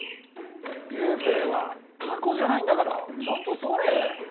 流星はタコじゃないんだからちゃんとすわれ。